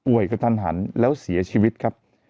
กระทันหันแล้วเสียชีวิตครับ